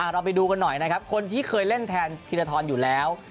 ไปดูกันหน่อยนะครับคนที่เคยเล่นแทนธีรทรอยู่แล้ว